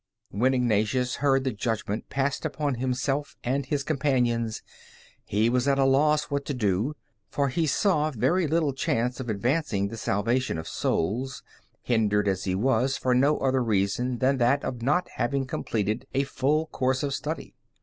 When Ignatius heard the judgment passed upon himself and his companions, he was at a loss what to do, for he saw very little chance of advancing the salvation of souls, hindered as he was for no other reason than that of not having completed a full course of study.